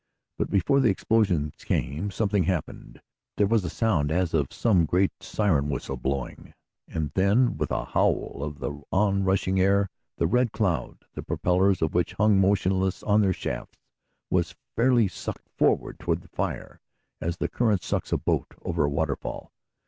But before the explosions came something happened. There was a sound as of some great, siren whistle blowing, and then, with a howl of the on rushing air, the Red Cloud, the propellers of which hung motionless on their shafts, was fairly sucked forward toward the fire, as the current sucks a boat over a water fall.